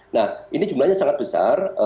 nah ini jumlahnya sangat besar